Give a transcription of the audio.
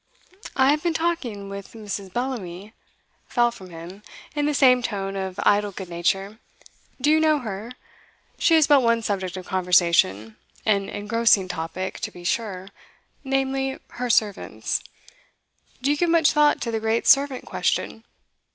'I have been talking with Mrs. Bellamy,' fell from him, in the same tone of idle good nature. 'Do you know her? She has but one subject of conversation; an engrossing topic, to be sure; namely, her servants. Do you give much thought to the great servant question?